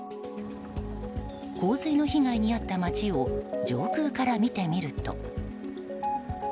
洪水の被害に遭った街を上空から見てみると。